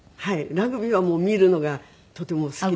ラグビーはもう見るのがとても好きで。